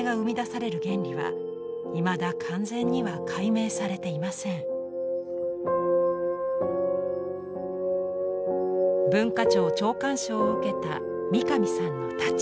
文化庁長官賞を受けた三上さんの太刀。